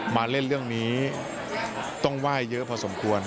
มาเล่นเรื่องนี้ต้องไหว้เยอะพอสมควร